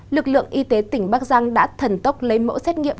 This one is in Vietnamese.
lực lượng y tế tỉnh bắc giang đã thần tốc lấy mẫu xét nghiệm